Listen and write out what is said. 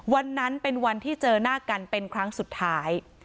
วันนั้นเป็นวันที่เจอหน้ากันเป็นครั้งสุดท้าย